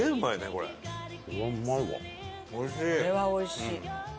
これはおいしい。